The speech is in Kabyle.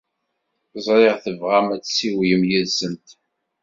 Ẓriɣ tebɣam ad tessiwlem yid-sent.